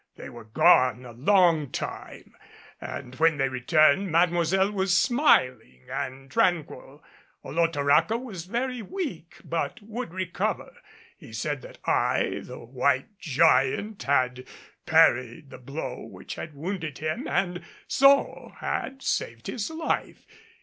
They were gone a long time, and when they returned Mademoiselle was smiling and tranquil. Olotoraca was very weak, but would recover. He said that I, the White Giant, had parried the blow which had wounded him and so had saved his life.